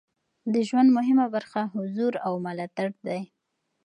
د ژوند مهمه برخه حضور او ملاتړ دی.